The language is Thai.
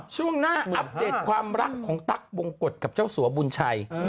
ช่วงหน้าอัปเดตความรักของตั๊กบงกฎกับเจ้าสัวบุญชัย